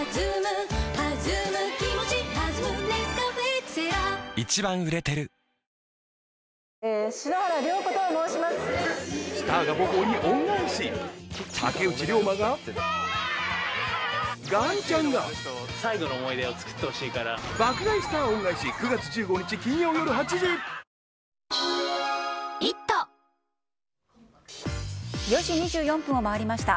ナチュラ」４時２４分を回りました。